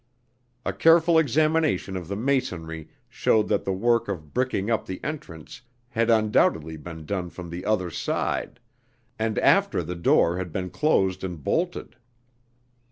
A careful examination of the masonry showed that the work of bricking up the entrance had undoubtedly been done from the other side, and after the door had been closed and bolted.